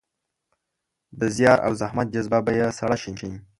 د زیار او زحمت جذبه به يې سړه شي.